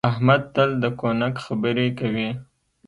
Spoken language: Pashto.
احمد تل د کونک خبرې کوي.